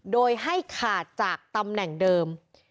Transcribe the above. โดยให้ขาดจากตำแหน่งเดิม